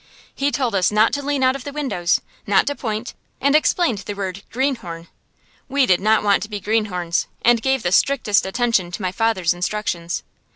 He told us not to lean out of the windows, not to point, and explained the word "greenhorn." We did not want to be "greenhorns," and gave the strictest attention to my father's instructions.